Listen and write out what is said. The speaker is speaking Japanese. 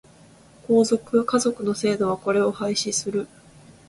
皇族、華族の制度はこれを廃止する。